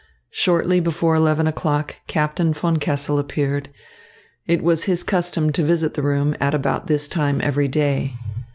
Shortly before eleven o'clock, Captain von Kessel appeared. It was his custom to visit the room at about this time every day.